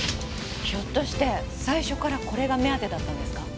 ひょっとして最初からこれが目当てだったんですか？